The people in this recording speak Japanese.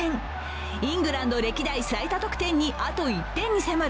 イングランド歴代最多得点にあと１点に迫る